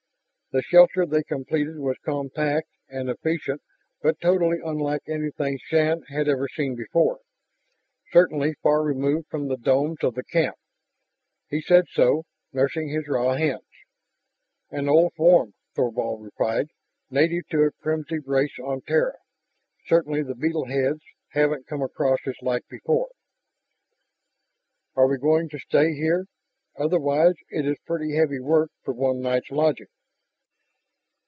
The shelter they completed was compact and efficient but totally unlike anything Shann had ever seen before, certainly far removed from the domes of the camp. He said so, nursing his raw hands. "An old form," Thorvald replied, "native to a primitive race on Terra. Certainly the beetle heads haven't come across its like before." "Are we going to stay here? Otherwise it is pretty heavy work for one night's lodging."